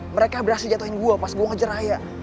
mereka berhasil jatohin gue pas gue ngejar raya